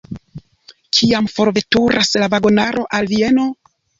Kiam forveturas la vagonaro al Vieno?